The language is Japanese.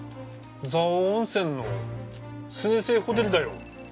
蔵王温泉の小せえホテルだよ。